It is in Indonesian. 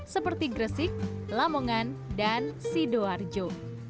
seperti gresik lamongan dan sidoarjo